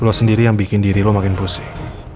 lo sendiri yang bikin diri lo makin pusing